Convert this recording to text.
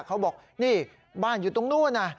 เขาบอกนี่บ้านอยู่ตรงนู้นนะ